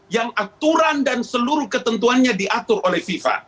yang aturan dan seluruh ketentuannya diatur oleh fifa